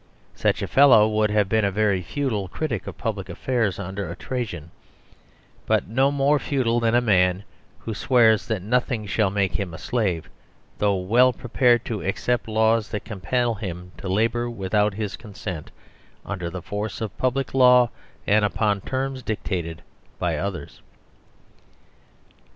Such a fellow would have been a very futile critic of public affairs under Trajan, but no more futile than a man who swears that nothing shall make him a " slave," though well prepared to accept laws that compel him to labour without his consent, under the forceof public law, and upon terms dictated by others.